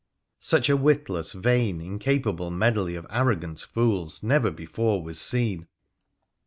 Such a witless, vain, incapable medley of arrogant fools never before was seen.